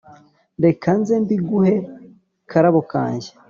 reka nze mbiguhe karabo kanjye,